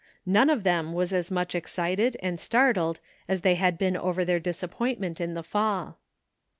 None of them was as much excited and startled as they had been over their disappointment in the fall.